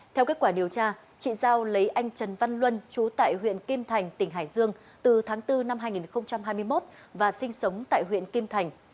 theo kết quả điều tra chị giao lấy anh trần văn luân chú tại huyện kim thành tỉnh hải dương từ tháng bốn năm hai nghìn hai mươi một và sinh sống tại huyện kim thành